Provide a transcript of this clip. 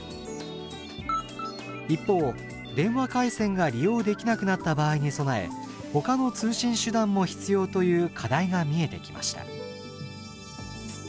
一方電話回線が利用できなくなった場合に備えほかの通信手段も必要という課題が見えてきました。